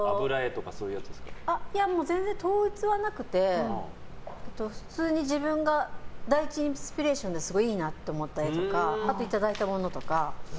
全然統一はなくて普通に自分が第一インスピレーションですごいいいなって思った絵とかあといただいたものとか。